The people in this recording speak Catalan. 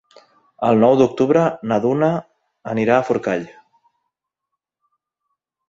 El nou d'octubre na Duna anirà a Forcall.